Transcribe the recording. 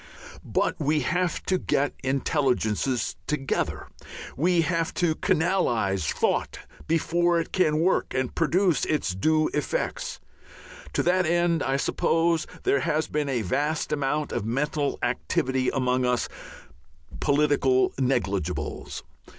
But we have to get intelligences together, we have to canalize thought before it can work and produce its due effects. To that end, I suppose, there has been a vast amount of mental activity among us political "negligibles."